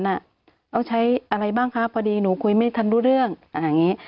เราใช้อะไรบ้างคะพอดีหนูคุยไม่ทันรู้เรื่องอะไรอย่างนี้